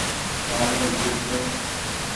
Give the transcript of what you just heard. هآنٚ مينٚ ٺيڪ ڇوٚنٚ